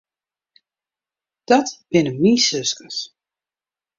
Dat binne myn suskes.